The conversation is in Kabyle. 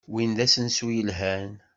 Win d asensu yelhan.